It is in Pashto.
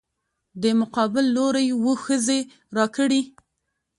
دې مقابل لورى اووه ښځې راکړي.